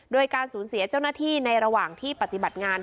โดยการสูญเสียเจ้าหน้าที่ในระหว่างที่ปฏิบัติงาน